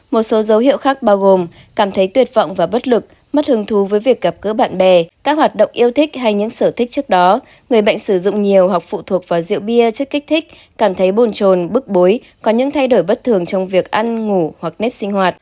một số dấu hiệu khác bao gồm cảm thấy tuyệt vọng và bất lực mất hứng thú với việc gặp gỡ bạn bè các hoạt động yêu thích hay những sở thích trước đó người bệnh sử dụng nhiều hoặc phụ thuộc vào rượu bia chất kích thích cảm thấy bồn trồn bức bối có những thay đổi bất thường trong việc ăn ngủ hoặc nếp sinh hoạt